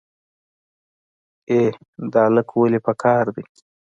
ای دا الک ولې په قار دی.